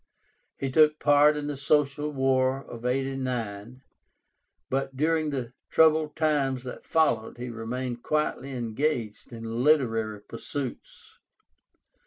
He took part in the Social War (89), but during the troubled times that followed he remained quietly engaged in literary pursuits.